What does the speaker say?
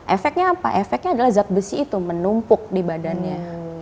efeknya apa efeknya adalah zat besi itu menumpuk di badannya